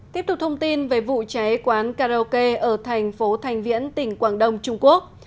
tiếp tục thông tin về vụ cháy quán karaoke ở thành phố thành viễn tỉnh quảng đông trung quốc